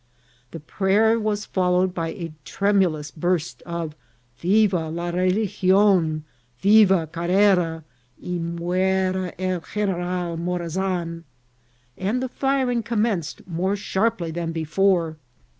The prayer was followed by a tremendous burst of " Viva la Religion ! Viva Carrera ! y muera el General Morazan !" and the firing commenced more sharply than before.